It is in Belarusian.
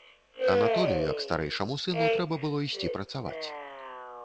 Анатолю, як старэйшаму сыну, трэба было ісці працаваць.